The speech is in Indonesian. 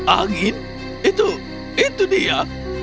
angin itu itu dia